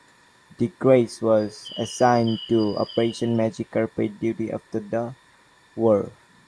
"De Grasse" was assigned to Operation Magic Carpet duty after the war.